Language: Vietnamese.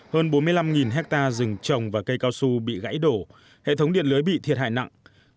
hơn bốn mươi năm hectare rừng trồng và cây cao su bị gãy đổ hệ thống điện lưới bị thiệt hại nặng